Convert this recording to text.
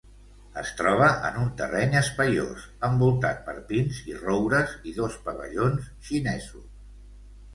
Es troba en un terreny espaiós, envoltat per pins i roures i dos pavellons xinesos.